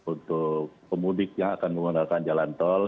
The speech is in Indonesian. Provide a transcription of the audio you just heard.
untuk pemudik yang akan menggunakan jalan tol